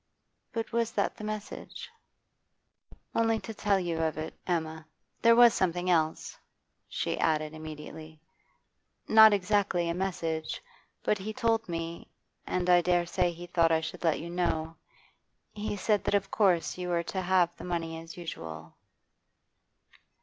'But was that the message?' 'Only to tell you of it, Emma. There was something else,' she added immediately; 'not exactly a message, but he told me, and I dare say he thought I should let you know. He said that of course you were to have the money still as usual.